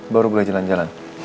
baru boleh jalan jalan